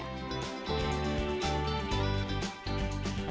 rizwanto jawa tenggara